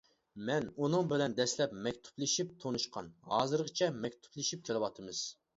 مەن ئۇنىڭ بىلەن دەسلەپ مەكتۇپلىشىپ تونۇشقان، ھازىرغىچە مەكتۇپلىشىپ كېلىۋاتىمىز.